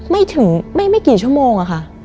ไม่ถึงไม่กี่ชั่วโมงอะค่ะ